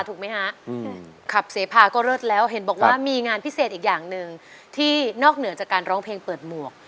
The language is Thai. ถูกไหมฮะขับเสพาก็เลิศแล้วเห็นบอกว่ามีงานพิเศษอีกอย่างหนึ่งที่นอกเหนือจากการร้องเพลงเปิดหมวก